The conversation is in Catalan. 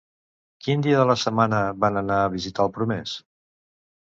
Quin dia de la setmana van anar a visitar el promès?